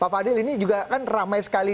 pak fadil ini juga kan ramai sekali